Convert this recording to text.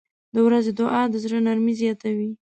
• د ورځې دعا د زړه نرمي زیاتوي.